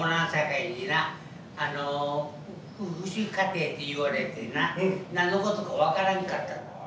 あの父子家庭って言われてな何のことか分からんかった。